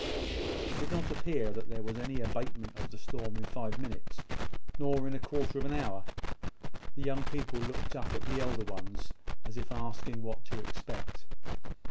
It did not appear that there was any abatement of the storm in five minutes, nor in a quarter of an hour. The young people looked up at the elder ones, as if asking what to expect.